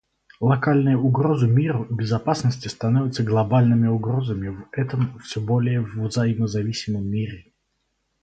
Локальные угрозы миру и безопасности становятся глобальными угрозами в этом все более взаимозависимом мире.